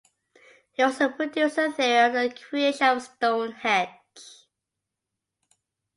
He also produced a theory on the creation of Stonehenge.